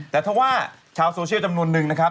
แต่ถ้าว่าชาวโซเชียลจำนวนนึงนะครับ